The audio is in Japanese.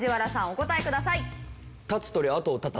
お答えください。